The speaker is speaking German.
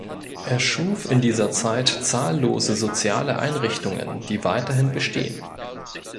Er schuf in dieser Zeit zahllose soziale Einrichtungen, die weiterhin bestehen.